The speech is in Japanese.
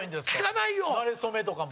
なれそめとかも。